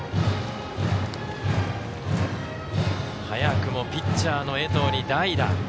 早くもピッチャーの江藤に代打。